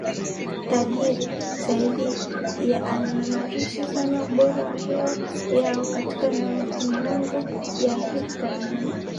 tajiri zaidi yameimarisha sana ubora wa hewa yao katika miongo ya hivi karibuni